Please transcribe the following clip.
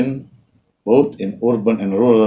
di kawasan urban dan rural